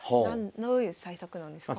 どういう対策なんですか？